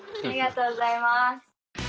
ありがとうございます。